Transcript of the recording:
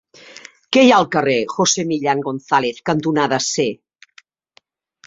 Què hi ha al carrer José Millán González cantonada C?